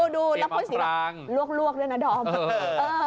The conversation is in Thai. ดูแล้วพูดสีแบบลวกด้วยนะดอม